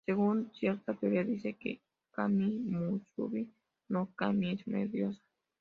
Según cierta teoría, dicen que Kami-musubi-no-kami es una diosa.